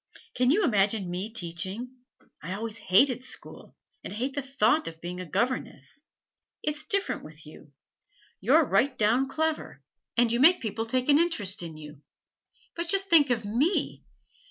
Can you imagine me teaching? I always hated school, and I hate the thought of being a governess. It's different with you; you're right down clever, and you make people take an interest in you. But just think of me!